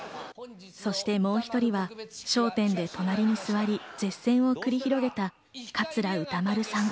そしてもう１人は『笑点』で隣に座り、舌戦を繰り広げた桂歌丸さん。